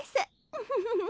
ウフフフフ。